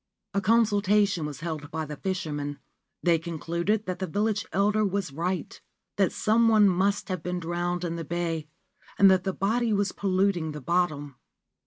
A consultation was held by the fishermen. They concluded that the village elder was right — that some one must have been drowned in the bay, and that the body was polluting the bottom.